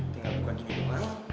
tinggal dukan gini doang